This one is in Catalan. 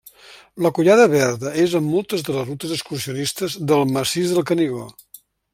La Collada Verda és en moltes de les rutes excursionistes del Massís del Canigó.